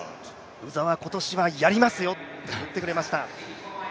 鵜澤、今年はやりますよと言ってくれました。